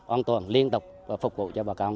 an toàn liên tục và phục vụ cho bà con